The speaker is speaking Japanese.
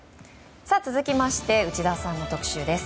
続きまして内田さんの特集です。